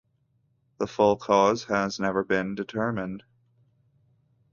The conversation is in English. The full cause has never been determined.